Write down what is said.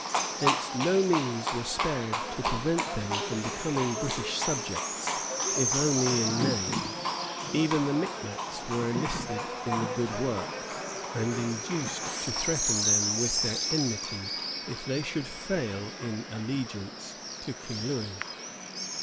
Hence no means were spared to prevent them from becoming British subjects, if only in name; even the Micmacs were enlisted in the good work, and induced to threaten them with their enmity if they should fail in allegiance to King Louis.